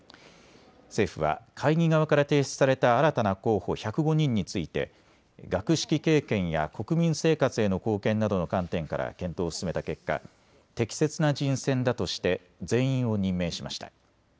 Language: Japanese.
政府は会議側から提出された新たな候補１０５人について学識経験や国民生活への貢献などの観点から検討を進めた結果、適切な人選だとして全員を任命しました。